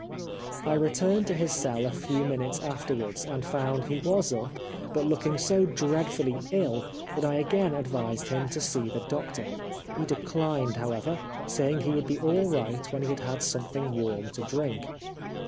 I returned to his cell a few minutes afterwards, and found he was up, but looking so dreadfully ill that I again advised him to see the doctor. He declined, however, saying he would be all right when he had had something warm to drink.